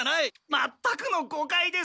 まったくのごかいです！